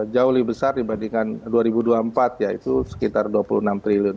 jauh lebih besar dibandingkan dua ribu dua puluh empat yaitu sekitar dua puluh enam triliun